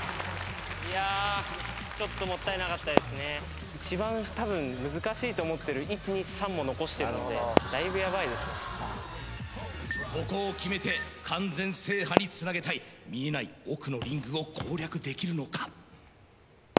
いやちょっと一番たぶん難しいと思ってる１２３も残してるのでここをきめて完全制覇につなげたい見えない奥のリングを攻略できるのか？